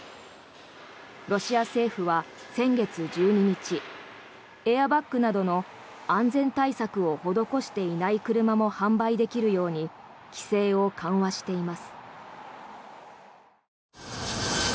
ロシア政府は先月１２日エアバッグなどの安全対策を施していない車も販売できるように規制を緩和しています。